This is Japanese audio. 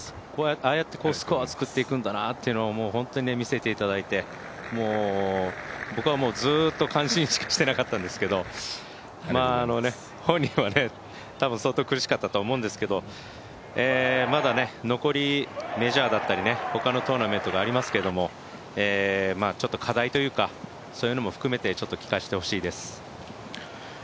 ああやってスコアを作っていくんだなというのを見せていただいて僕はもうずっと感心しかしてなかったんですけど本人は多分相当苦しかったと思うんですけど、まだ残りメジャーだったりほかのトーナメントがありますけれどもちょっと課題というか、そういうのも含めて聞かせてほしいです。